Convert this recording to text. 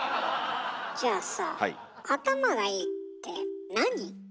じゃあさ頭がいいってなに？